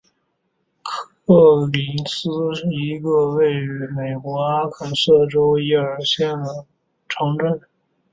科林斯是一个位于美国阿肯色州耶尔县的城镇。